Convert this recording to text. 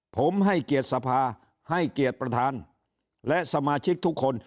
ผมให้เกียรติสภาให้เกียรติประธานและสมาชิกทุกคน